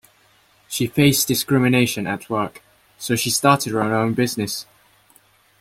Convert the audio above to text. She faced discrimination at work, so she started her own business.